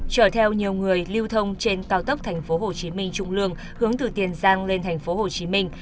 chở theo nhiều người lưu thông trên cao tốc thành phố hồ chí minh trung lương hướng từ tiền giang lên thành phố hồ chí minh